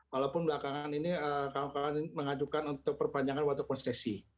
walaupun belakangan ini mengajukan untuk perpanjangan waktu konsesi